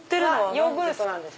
ヨーグルトなんです。